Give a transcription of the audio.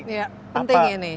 ya penting ini